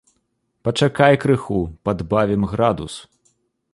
Пачакай крыху, падбавім градус.